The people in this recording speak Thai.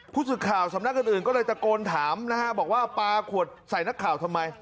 ปลาขวดน้ำ